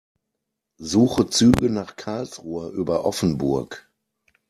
Suche Züge nach Karlsruhe über Offenburg.